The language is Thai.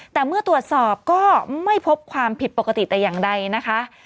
แต่เมื่อตรวจสอบก็ไม่พบความผิดปกติแต่อย่างใดนะคะ